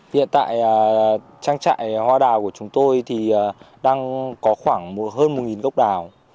hiện tại trang trại hoa đào của chúng tôi thì đang có khoảng hơn một gốc đào